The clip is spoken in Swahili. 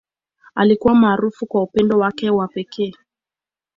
Alikuwa maarufu kwa upendo wake wa pekee.